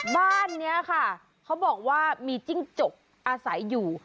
บ้านนี้ค่ะเขาบอกว่ามีจิ้งจกอาศัยอยู่